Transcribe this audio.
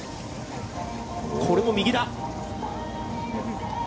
これも右だ。